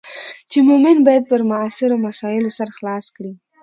چې مومن باید پر معاصرو مسایلو سر خلاص کړي.